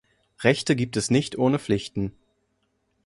Rechte gibt es nicht ohne Pflichten.